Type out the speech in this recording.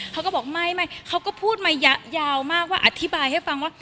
เขาก็บอกไม่เขาก็พูดมายาวมากว่าอธิบายให้ฟังว่า